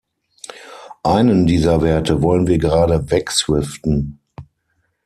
Einen dieser Werte wollen wir gerade "wegswiften".